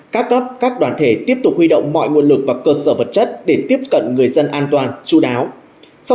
các cấp các đoàn thể tiếp tục huy động mọi nguồn lực và cơ sở vật chất để tiếp cận người dân an toàn chú đáo